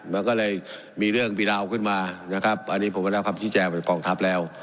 แล้วก็เลยมีเรื่องปีราวขึ้นมานะครับอันนี้ผมก็ได้ความชิดแจกว่ากองทัพแล้ว